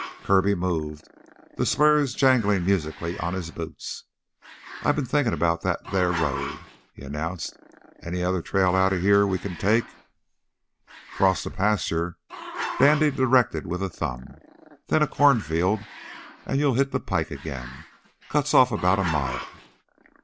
Kirby moved, the spurs jangling musically on his boots. "I've been thinkin' 'bout that theah road," he announced. "Any other trail outta heah we can take?" "Cross the pasture " Dandy directed with a thumb "then a cornfield, and you'll hit the pike again. Cuts off about a mile."